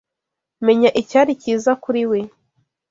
Menya icyari cyiza kuriwe